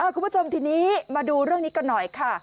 คุณผู้ชมทีนี้มาดูเรื่องนี้กันหน่อยค่ะ